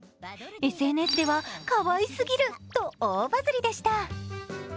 ＳＮＳでは、かわいすぎると大バズりでした。